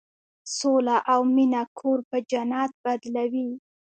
سوله او مینه کور په جنت بدلوي.